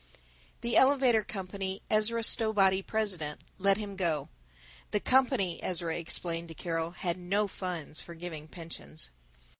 The elevator company, Ezra Stowbody president, let him go. The company, Ezra explained to Carol, had no funds for giving pensions.